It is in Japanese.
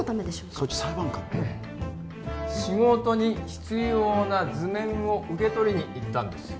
そっち裁判官仕事に必要な図面を受け取りに行ったんです